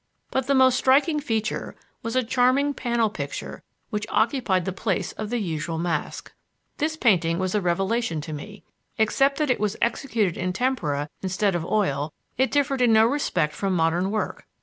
But the most striking feature was a charming panel picture which occupied the place of the usual mask. This painting was a revelation to me. Except that it was executed in tempera instead of oil, it differed in no respect from modern work.